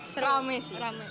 seram sih seram